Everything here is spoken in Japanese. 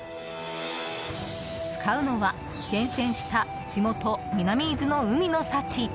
使うのは厳選した地元・南伊豆の海の幸。